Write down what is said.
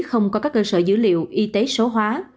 không có các cơ sở dữ liệu y tế số hóa